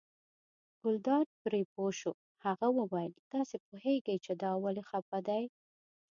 ګلداد پرې پوه شو، هغه وویل تاسې پوهېږئ چې دا ولې خپه دی.